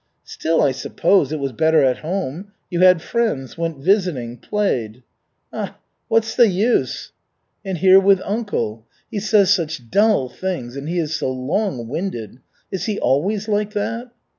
"Still, I suppose, it was better at home. You had friends, went visiting, played." "Ah, what's the use!" "And here with uncle. He says such dull things and he is so long winded. Is he always like that?"